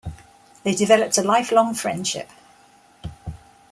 They developed a lifelong friendship.